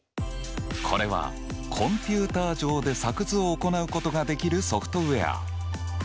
これはコンピューター上で作図を行うことができるソフトウエア。